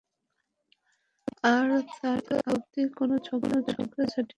আর তার আগ অবধি কোনো ঝগড়াঝাঁটি নয়, ঠিক আছে?